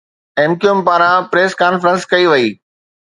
M Q M پاران press conference ڪئي وئي